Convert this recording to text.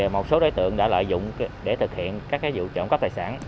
một số đối tượng đã lợi dụng để thực hiện các vụ trộm cắp tài sản